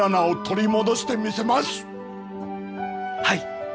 はい！